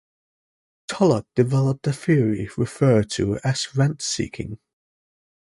Tullock developed a theory referred to as rent-seeking.